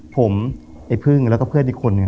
ผมไอ้พึ่งแล้วก็เพื่อนอีกคนนึง